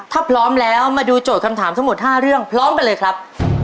ถ้าพร้อมแล้วมาดูโจทย์คำถามทั้งหมด๕เรื่องพร้อมกันเลยครับ